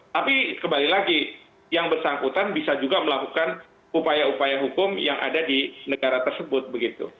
tapi kembali lagi yang bersangkutan bisa juga melakukan upaya upaya hukum yang ada di negara tersebut begitu